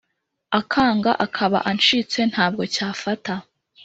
akanga akaba ancitse ntabwo cyafata